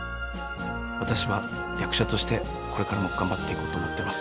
私は役者としてこれからも頑張っていこうと思っています。